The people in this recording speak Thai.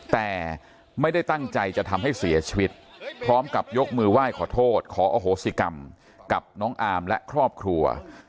แต่ไม่ได้ตั้งใจจะทำให้เสียชีวิตพร้อมกับยกมือไหว้ขอโทษขออโหสิกรรมกับน้องอาร์มและครอบครัว